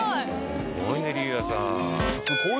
すごいね竜哉さん